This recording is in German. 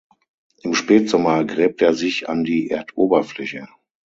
Im Spätsommer gräbt er sich an die Erdoberfläche.